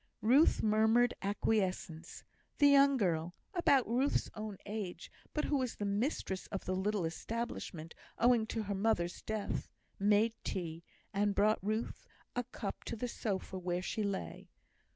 Ruth murmured acquiescence; the young girl (about Ruth's own age, but who was the mistress of the little establishment, owing to her mother's death) made tea, and brought Ruth a cup to the sofa where she lay.